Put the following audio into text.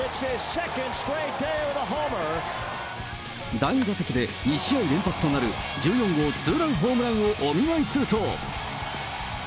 第２打席で２試合連発となる１４号ツーランホームランをお見舞いすると。